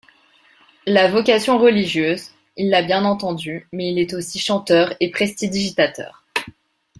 La vocation religieuse, il l'a bien entendu mais il est aussi chanteur et prestidigitateur.